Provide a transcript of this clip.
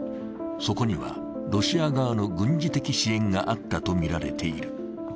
そこには、ロシア側の軍事的支援があったとみられている。